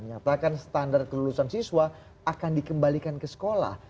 menyatakan standar kelulusan siswa akan dikembalikan ke sekolah